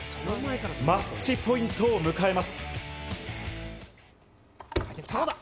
マッチポイントを迎えます。